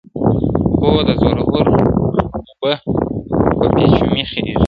o د زورور اوبه په پېچومي خېژي!